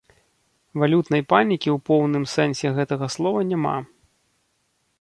Валютнай панікі ў поўным сэнсе гэтага слова няма.